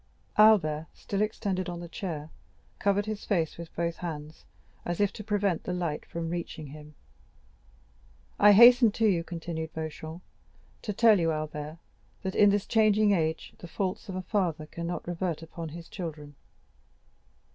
Albert, still extended on the chair, covered his face with both hands, as if to prevent the light from reaching him. "I hastened to you," continued Beauchamp, "to tell you, Albert, that in this changing age, the faults of a father cannot revert upon his children.